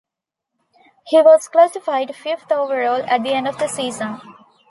He was classified fifth overall at the end of the season.